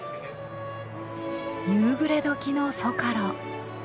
夕暮れ時のソカロ。